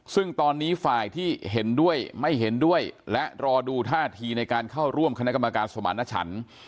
ซึ่งตอนนี้ฝ่ายที่เห็นด้วยไม่เห็นด้วยและรอดูท่าทีในการเข้าร่วมคณะกรรมการสมารณชัน